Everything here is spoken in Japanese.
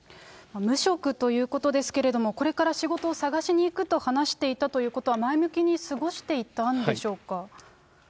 無職ということですけれども、これから仕事を探しに行くと話していたということは、前向きに過ごしていたんでしょうか。